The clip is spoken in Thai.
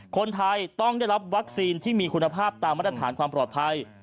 คนไทยต้องได้รับวัคซีนที่มีคุณภาพตามมาตรฐานความปลอดภัย